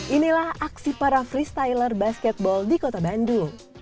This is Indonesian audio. inilah aksi para freestyler basketball di kota bandung